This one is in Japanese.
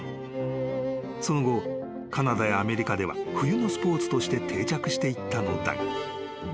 ［その後カナダやアメリカでは冬のスポーツとして定着していったのだが］